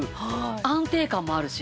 安定感もあるし。